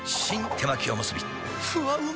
手巻おむすびふわうま